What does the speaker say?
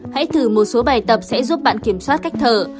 hãy thử một số bài tập sẽ giúp bạn kiểm soát cách thở